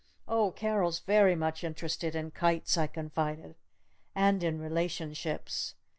"Oh, Carol's very much interested in kites!" I confided. "And in relationships!